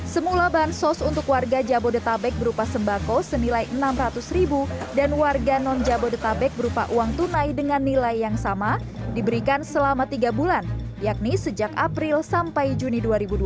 semula bansos untuk warga jabodetabek berupa sembako senilai rp enam ratus dan warga non jabodetabek berupa uang tunai dengan nilai yang sama diberikan selama tiga bulan yakni sejak april sampai juni dua ribu dua puluh